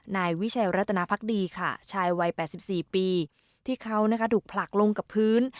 นายวิชัยรัตนาพักดีค่ะชายวัย๘๔ปีที่เขาถูกผลักลงกับพื้น